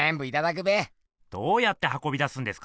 どうやってはこび出すんですか？